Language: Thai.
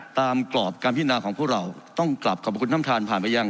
กรอบการพินาของพวกเราต้องกลับขอบคุณท่านผ่านไปยัง